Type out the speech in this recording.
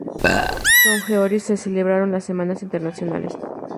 Sin Goeritz se celebraron las "Semanas Internacionales".